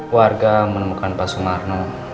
warga menemukan pak sumarno